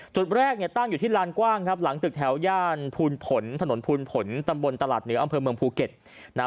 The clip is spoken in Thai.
จุดแรกเนี่ยตั้งอยู่ที่ลานกว้างครับหลังตึกแถวย่านภูลผลถนนภูนผลตำบลตลาดเหนืออำเภอเมืองภูเก็ตนะ